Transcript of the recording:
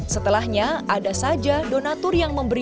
setelahnya ada saja donatur yang memberikan